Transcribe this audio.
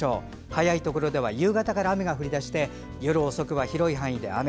早いところでは夕方から雨が降り出して夜遅くは広い範囲で雨。